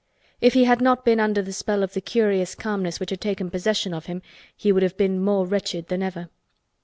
If he had not been under the spell of the curious calmness which had taken possession of him he would have been more wretched than ever.